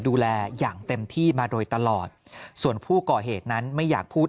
ดูแลอย่างเต็มที่มาโดยตลอดส่วนผู้ก่อเหตุนั้นไม่อยากพูด